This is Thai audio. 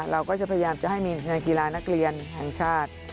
เราก็จะพยายามจะให้มีเงินกีฬานักเรียนแห่งชาติ